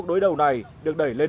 bốn triệu hai rồi ạ